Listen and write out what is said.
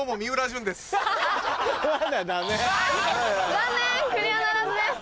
残念クリアならずです。